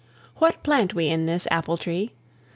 What plant we in this apple tree?